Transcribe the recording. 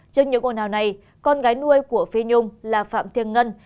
trước những hồi nào này con gái nuôi của phi nhung là phạm thiên ngân